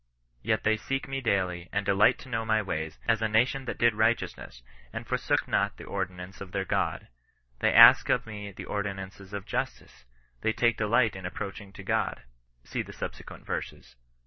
Yet they seek me daily, and delight to know my ways, as a nation that did righteousness, and forsook not the ordinance of their God; they ask of me the ordinances of justice; they take delight in approaching to God." See the subse quent verses.